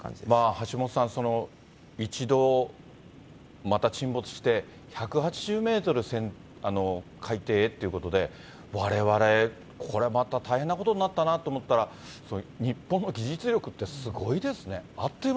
橋下さん、一度、また沈没して、１８０メートル海底へということで、われわれ、これまた大変なことになったなと思ったら、日本の技術力ってすごいですね。